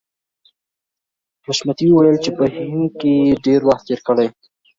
حشمتي وویل چې په هند کې یې ډېر وخت تېر کړی